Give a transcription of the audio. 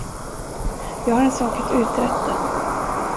Jag har en sak att uträtta.